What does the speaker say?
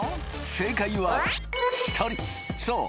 正解は１人そう